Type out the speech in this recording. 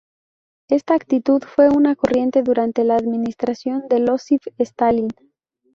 Esta actitud fue más corriente durante la administración de Iósif Stalin.